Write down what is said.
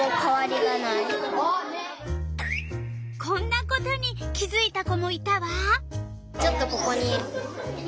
こんなことに気づいた子もいたわ。